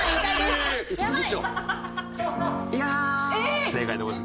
不正解でございます。